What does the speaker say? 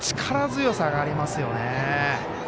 力強さがありますよね。